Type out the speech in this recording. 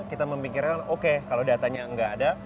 kita memikirkan oke kalau datanya nggak ada